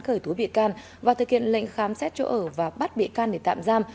khởi tố bị can và thực hiện lệnh khám xét chỗ ở và bắt bị can để tạm giam